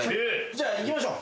じゃあいきましょう。